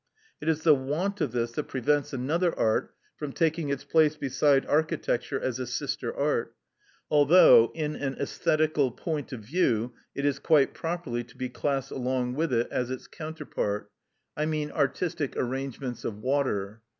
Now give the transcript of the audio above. It is the want of this that prevents another art from taking its place beside architecture as a sister art, although in an æsthetical point of view it is quite properly to be classed along with it as its counterpart; I mean artistic arrangements of water.